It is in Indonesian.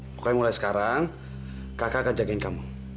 pokoknya mulai sekarang kakak akan jagain kamu